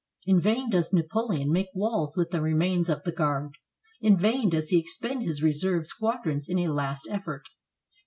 In vain does Napoleon make walls with the remains of the Guard; in vain does he expend his reserve squadrons in a last effort.